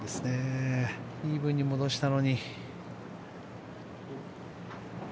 イーブンに戻したのに。